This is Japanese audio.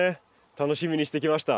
楽しみにしてきました。